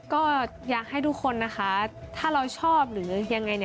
ก็อยากให้ทุกคนนะคะถ้าเราชอบหรือยังไง